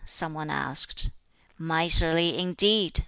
some one asked. "Miserly, indeed!"